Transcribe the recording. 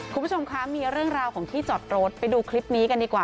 คุณผู้ชมคะมีเรื่องราวของที่จอดรถไปดูคลิปนี้กันดีกว่า